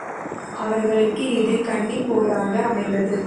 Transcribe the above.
அவரர்களுக்கு இது கன்னிப் போராக அமைந்தது.